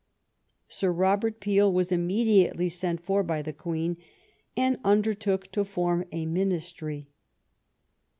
Sir Robert Peel was imme diately sent for by the Queen, and undertook to form a Ministry.